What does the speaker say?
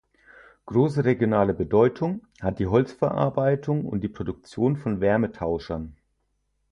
Große regionale Bedeutung hat die Holzverarbeitung und die Produktion von Wärmetauschern.